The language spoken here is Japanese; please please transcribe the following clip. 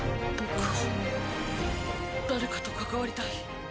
僕は誰かと関わりたい。